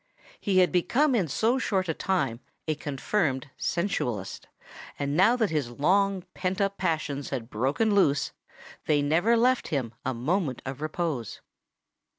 He had become in so short a time a confirmed sensualist; and now that his long pent up passions had broken loose, they never left him a moment of repose.